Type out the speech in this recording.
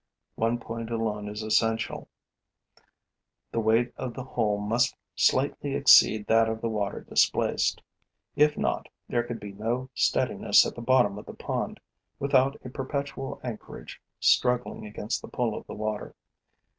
One point alone is essential: the weight of the whole must slightly exceed that of the water displaced; if not, there could be no steadiness at the bottom of the pond, without a perpetual anchorage struggling against the pull of the water.